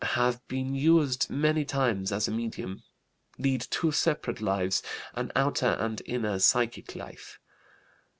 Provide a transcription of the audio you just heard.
Have been used many times as a medium. Lead two separate lives, an outer and inner psychic life.